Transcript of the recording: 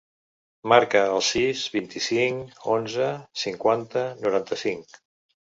Marca el sis, vint-i-cinc, onze, cinquanta, noranta-cinc.